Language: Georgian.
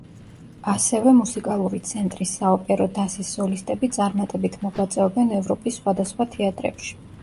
ასევე, მუსიკალური ცენტრის საოპერო დასის სოლისტები წარმატებით მოღვაწეობენ ევროპის სხვადასხვა თეატრებში.